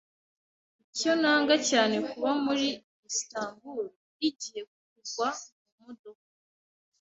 Icyo nanga cyane kuba muri Istanbul burigihe kugwa mumodoka.